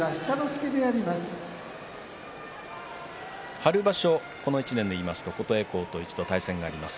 春場所、この１年でいうと琴恵光と対戦があります